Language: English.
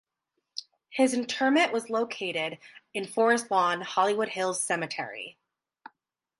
His interment was located in Forest Lawn - Hollywood Hills Cemetery.